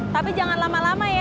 tapi jangan lama lama ya